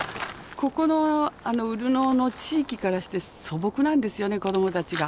ここの潤野の地域からして素朴なんですよね子どもたちが。